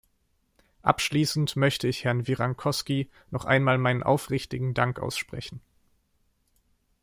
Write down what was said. Abschließend möchte ich Herrn Virrankoski noch einmal meinen aufrichtigen Dank aussprechen.